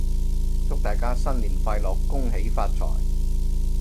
祝大家新年快樂！恭喜發財！